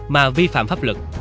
mà vi phạm pháp luật